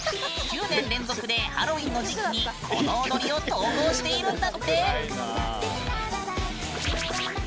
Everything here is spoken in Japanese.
９年連続でハロウィーンの時期にこの踊りを投稿しているんだって。